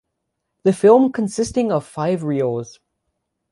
The film consisting of five reels.